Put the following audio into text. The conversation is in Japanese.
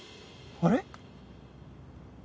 あれ？